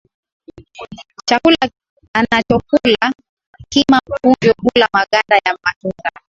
Chakula anachokula kima Punju hula maganda ya matunda